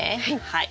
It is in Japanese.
はい。